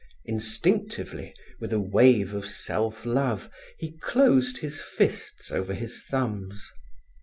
Instinctively, with a wave of self love, he closed his fists over his thumbs.